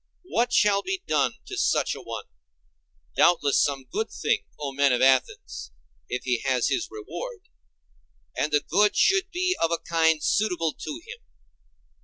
What shall be done to such a one? Doubtless some good thing, O men of Athens, if he has his reward; and the good should be of a kind suitable to him.